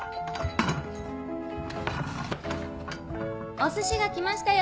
お寿司が来ましたよ！